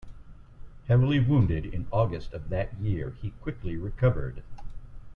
Heavily wounded in August of that year, he quickly recovered.